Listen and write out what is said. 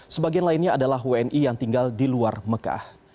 sebagian lainnya adalah wni yang tinggal di luar mekah